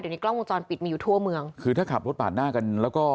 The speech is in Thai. เดี๋ยวนี้กล้องวงจรปิดมีอยู่ทั่วเมืองคือถ้าขับรถปาดหน้ากันแล้วก็